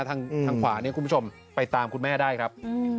ทางขวาเนี่ยคุณผู้ชมไปตามคุณแม่ได้ครับ